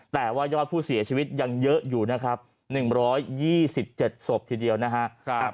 แต่ว่ายอดผู้เสียชีวิตยังเยอะอยู่นะครับ๑๒๗ศพทีเดียวนะครับ